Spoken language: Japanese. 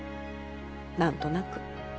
何となく。